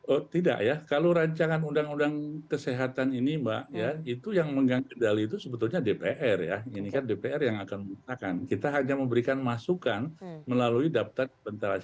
oh tidak ya kalau rancangan undang undang kesehatan ini mbak ya itu yang mengganggu dali itu sebetulnya dpr ya ini kan dpr yang akan mengatakan kita hanya memberikan masukan melalui daftar pentalasi